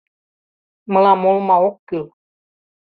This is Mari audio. — Мылам олма ок кӱл.